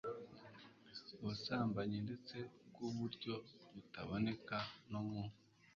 ubusambanyi ndetse bw uburyo butaboneka no mu